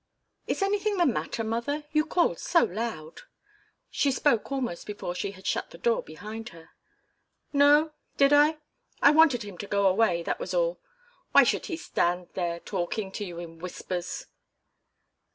"Is anything the matter, mother? You called so loud." She spoke almost before she had shut the door behind her. "No. Did I? I wanted him to go away, that was all. Why should he stand there talking to you in whispers?"